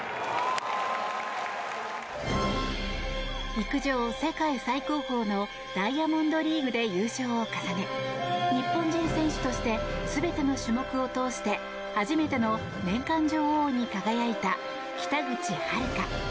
陸上世界最高峰のダイヤモンドリーグで優勝を重ね日本人選手として全ての種目を通して初めての年間女王に輝いた北口榛花。